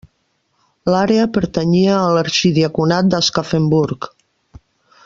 L'àrea pertanyia a l'arxidiaconat d'Aschaffenburg.